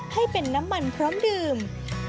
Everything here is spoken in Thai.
ให้เป็นน้ำมันพร้อมดื่ม